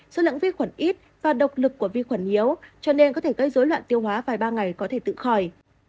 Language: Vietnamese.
số lượng vi khuẩn ít và độc lực của vi khuẩn yếu cho nên có thể gây dối loạn tiêu hóa vài ba ngày có thể tự khỏi